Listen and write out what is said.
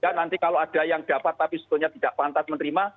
nanti kalau ada yang dapat tapi sebetulnya tidak pantas menerima